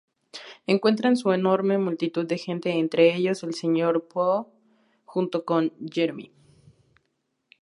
Encuentran una enorme multitud de gente entre ellos el Sr. Poe junto con Jerome.